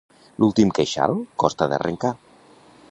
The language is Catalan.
L'últim queixal costa d'arrencar.